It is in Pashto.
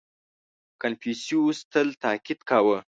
• کنفوسیوس تل تأکید کاوه.